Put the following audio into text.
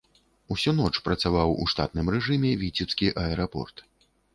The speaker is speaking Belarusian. Усю ноч працаваў у штатным рэжыме віцебскі аэрапорт.